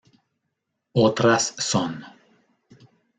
Otras son